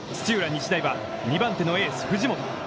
日大は、２番手のエース藤本。